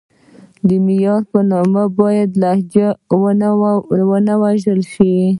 د معیار په نوم باید لهجې ونه وژل شي.